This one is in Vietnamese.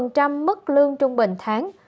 bằng khoảng năm mức lương trung bình tháng